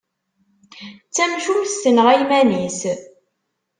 D tamcumt tenɣa iman-is.